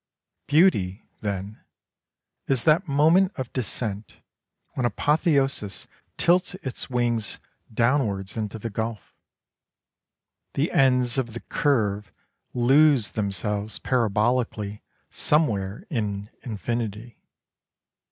Beauty, then, is that moment of descent when apotheosis tilts its wings downwards into the gulf. The ends of the curve lose themselves parabolically somewhere in infinity.